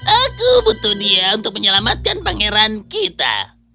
aku butuh dia untuk menyelamatkan pangeran kita